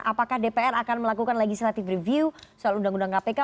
apakah dpr akan melakukan legislative review soal undang undang kpk